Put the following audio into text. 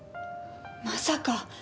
まさか。